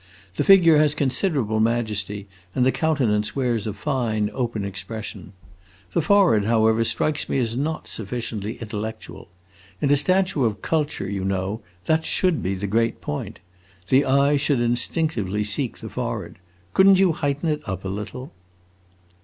"The figure has considerable majesty, and the countenance wears a fine, open expression. The forehead, however, strikes me as not sufficiently intellectual. In a statue of Culture, you know, that should be the great point. The eye should instinctively seek the forehead. Could n't you heighten it up a little?"